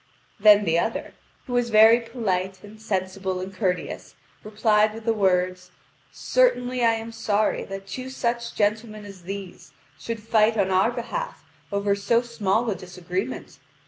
Then the other, who was very polite and sensible and courteous, replied with the words: "Certainly I am sorry that two such gentlemen as these should fight on our behalf over so small a disagreement.